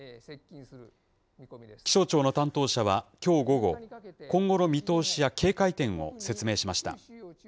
気象庁の担当者はきょう午後、今後の見通しや警戒点を説明しました。